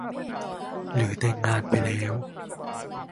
หรือแต่งงานไปแล้ว